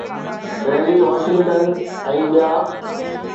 Delhi, Washington ۽ ”ٻيا“.